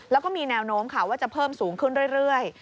แล้วก็มีแนวโน้มค่ะว่าจะเพิ่มสูงขึ้นเรื่อย